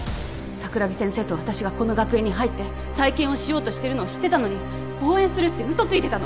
桜木先生と私がこの学園に入って再建をしようとしてるのを知ってたのに応援するって嘘ついてたの？